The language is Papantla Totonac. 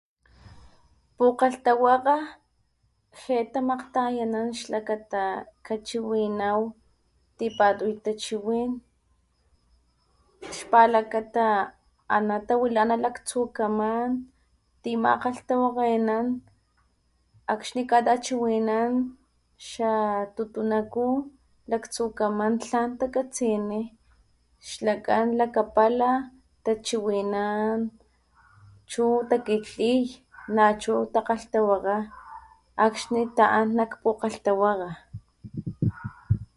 Pukgalhtawakga je tamakgtayanan xlakata kachiwinaw tipatuy tachiwin, xpalakata ana tawilana laktsukaman ti makgalhtawakgenan akxni katachiwinan xa tutunakú laktsukaman tlan takatsini, xlakan lakapala tachiwinan chu takilhtliy nachu takgalhtawakga akxni taʼan nak pukgalhtawakga.